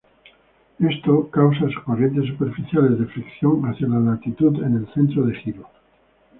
Esto causa corrientes superficiales de fricción hacia la latitud en el centro del giro.